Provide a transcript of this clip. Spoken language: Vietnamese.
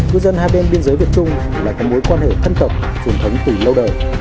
cứ dân hai bên biên giới việt trung lại có mối quan hệ thân tộc truyền thống tùy lâu đời